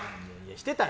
してたよ。